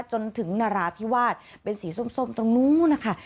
จนถึงนราธิวาสเป็นสีส้มตรงนู้นนะคะ